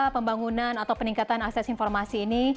pembangunan atau peningkatan akses informasi ini